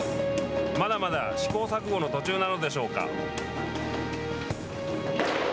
まだまだ試行錯誤の途中なのでしょうか。